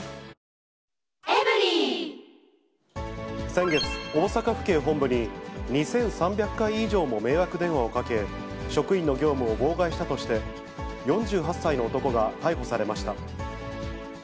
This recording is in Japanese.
先月、大阪府警本部に、２３００回以上も迷惑電話をかけ、職員の業務を妨害したとして、４８歳の男が逮捕されました。